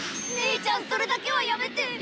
姉ちゃんそれだけはやめて。